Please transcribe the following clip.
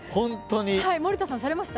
森田さんされました？